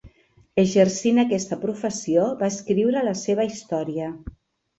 Exercint aquesta professió va escriure la seva història.